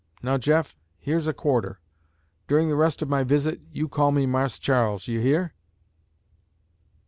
Now, Jeff, here's a quarter. During the rest of my visit you call me Marse Charles, you hear?"